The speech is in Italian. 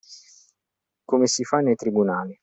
Come si fa nei tribunali.